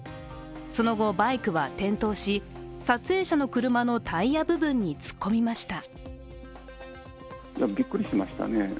その後、バイクは転倒し撮影者の車のタイヤ部分に突っ込みました。